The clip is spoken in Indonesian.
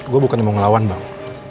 gue bukan yang mau ngelawan bang